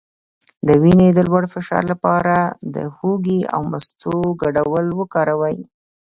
د وینې د لوړ فشار لپاره د هوږې او مستو ګډول وکاروئ